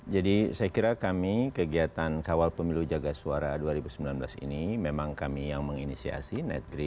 jadi saya kira kami kegiatan kawal pemilu jaga suara dua ribu sembilan belas ini memang kami yang menginisiasi netgrid